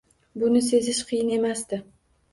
Buni sezish qiyin emasdi